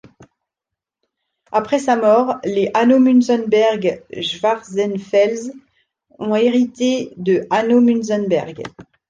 Après sa mort, les Hanau-Münzenberg-Schwarzenfels ont hérité de Hanau-Münzenberg.